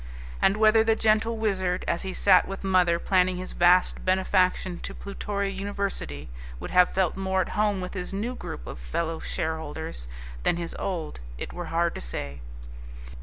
And whether the gentle Wizard, as he sat with mother planning his vast benefaction to Plutoria University, would have felt more at home with his new group of fellow shareholders than his old, it were hard to say.